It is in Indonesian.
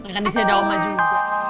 dan disini ada oma juga